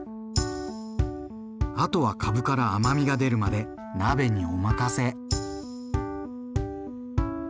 あとはかぶから甘みが出るまで鍋にお任せ。